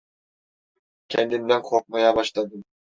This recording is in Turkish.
Kendimden korkmaya başladım.